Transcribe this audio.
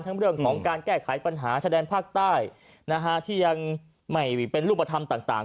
เรื่องของการแก้ไขปัญหาชะแดนภาคใต้ที่ยังไม่เป็นรูปธรรมต่าง